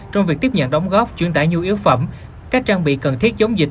trong việc tiếp nhận đóng góp chuyển tải nhu yếu phẩm các trang bị cần thiết giống dịch